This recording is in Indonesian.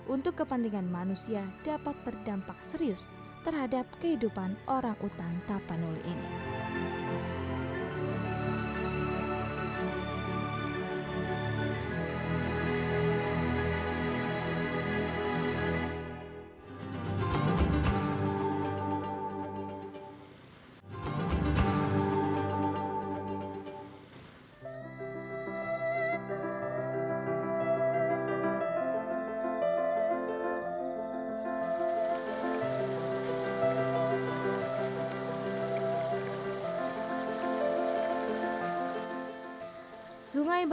untuk kepentingan manusia dapat berdampak serius terhadap kehidupan orangutan tapanuli ini